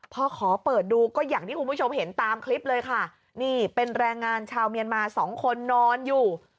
พอขอเปิดดูก็อย่างที่คุณผู้ชมเห็นตามคลิปเลยค่ะนี่เป็นแรงงานชาวเมียนมาสองคนนอนอยู่